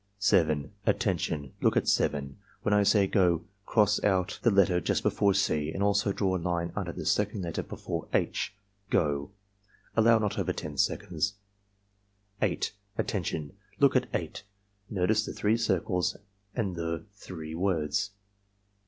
7. "Attention! Look at 7. When I say 'go' cross out the letter just before C and also draw a line under the second letter before H. — Go!" (Allow not over 10 seconds.) 8. "Attention! Look at 8. Notice the three circles and the three words.